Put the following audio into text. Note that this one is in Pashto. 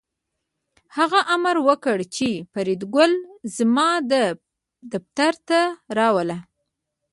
هغه امر وکړ چې فریدګل زما دفتر ته راوله